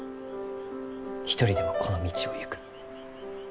一人でもこの道を行く。